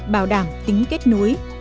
bảo đảm tính kết nối